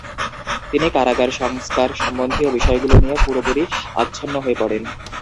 তিনি কারাগার সংস্কার সম্বন্ধীয় বিষয়গুলি নিয়ে পুরোপুরি আচ্ছন্ন হয়ে পড়েন।